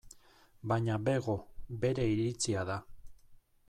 Baina bego, bere iritzia da.